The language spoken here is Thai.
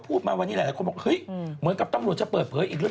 คุณตำรวจเขาบอกให้ระวังอย่าไปยุ่งกับเรื่องนี้